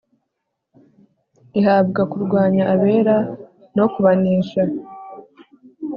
Ihabwa kurwanya abera no kubanesha,